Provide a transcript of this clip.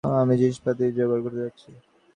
আমি জিনিসপাতি জোগাড় করতে যাচ্ছি।